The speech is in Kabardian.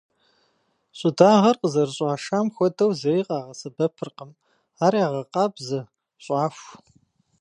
Щӏыдагъэр къызэрыщӏашам хуэдэу зэи къагъэсэбэпыркъым, ар ягъэкъабзэ, щӏаху.